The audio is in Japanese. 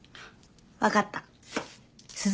分かった。